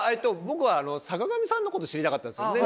僕は坂上さんのこと知りたかったです。